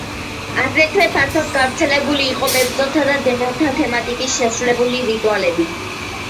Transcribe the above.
აგრეთვე ფართოდ გავრცელებული იყო მებრძოლთა და დემონთა თემატიკაზე შესრულებული რიტუალები.